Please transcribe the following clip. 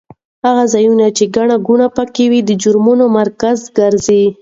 هغه ځایونه چې ګڼه ګوڼه پکې وي د جرمونو مرکز ګرځي.